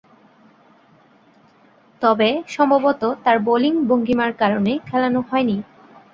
তবে, সম্ভবতঃ তার বোলিং ভঙ্গীমার কারণে খেলানো হয়নি।